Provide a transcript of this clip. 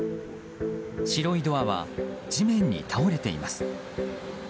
白いドアは、地面に倒れています。